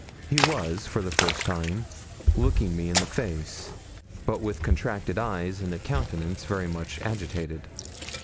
He was, for the first time, looking me in the face, but with contracted eyes, and a countenance very much agitated.